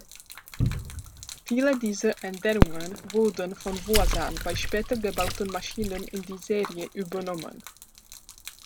Viele dieser Änderungen wurden von Voisin bei später gebauten Maschinen in die Serie übernommen.